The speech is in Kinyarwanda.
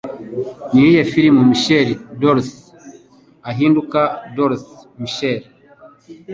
Ni iyihe filime Michael Dorsey ahinduka Dorothy Michael?